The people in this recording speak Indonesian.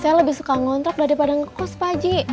saya lebih suka ngontrak daripada ngekos pak haji